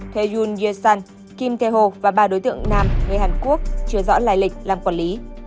thê yoon ye sun kim tae ho và ba đối tượng nam người hàn quốc chứa rõ lãi lịch làm quản lý